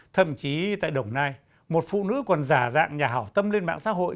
thậm chí tại đồng nai một phụ nữ còn giả dạng nhà hào tâm lên mạng xã hội